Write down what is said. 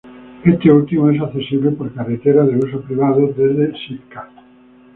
Este último es accesible por carretera de uso privado desde Sitka.